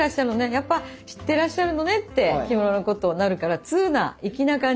やっぱ知ってらっしゃるのね」って着物のことをなるから通な粋な感じ。